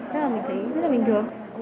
thế là mình thấy rất là bình thường